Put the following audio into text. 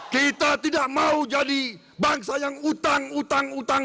kita tidak mau jadi bangsa yang utang utang utang